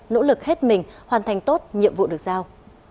nỗ lực hết mình hoàn thành tốt nhiệm vụ được giao